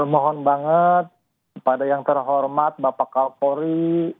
mohon banget kepada yang terhormat bapak kapolri